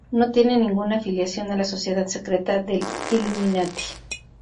No tiene ninguna afiliación a la sociedad secreta del Illuminati.